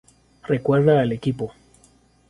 Recuerda al equipo.